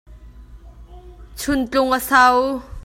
Chuntlung a so.